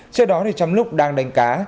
trước đó trong lúc đang đánh cá